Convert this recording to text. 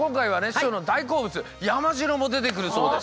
師匠の大好物山城も出てくるそうです。